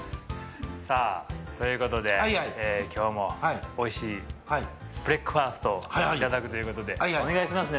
ということで今日もおいしいブレックファストをいただくということでお願いしますね